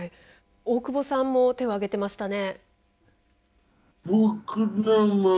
大久保さんも手を上げてましたね。